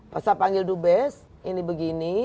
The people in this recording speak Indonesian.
pas saya panggil dubes ini begini